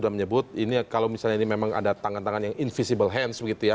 menyebut ini kalau misalnya ini memang ada tangan tangan yang invisible hands begitu ya